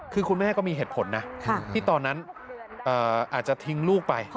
คือคุณแม่ก็มีเหตุผลนะที่ตอนนั้นอาจจะทิ้งลูกไป